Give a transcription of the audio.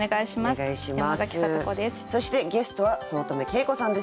そしてゲストは五月女ケイ子さんです。